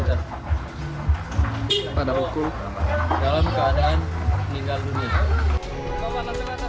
dalam keadaan meninggal dunia